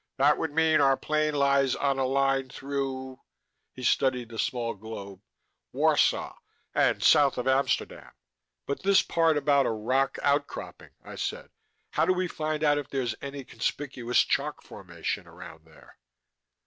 That would mean our plain lies on a line through " he studied the small globe " Warsaw, and south of Amsterdam." "But this part about a rock outcropping," I said. "How do we find out if there's any conspicuous chalk formation around there?"